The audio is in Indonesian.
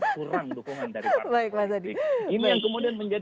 kurang dukungan dari partai